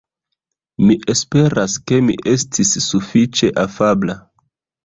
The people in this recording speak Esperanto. Mi esperas ke mi estis sufiĉe afabla.